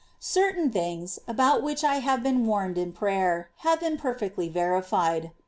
6. Certain thine;s, about which I have been Prophecies. warned in prayer, have been perfectly verified.